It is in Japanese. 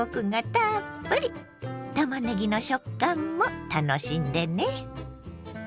たまねぎの食感も楽しんでね。